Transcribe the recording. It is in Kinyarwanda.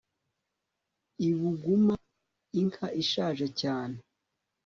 ibuguma inka ishaje cyane